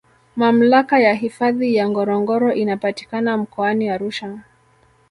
Mamlaka ya hifadhi ya Ngorongoro inapatikana mkoani Arusha